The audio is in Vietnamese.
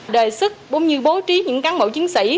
đề sức bố trí những cán bộ chiến sĩ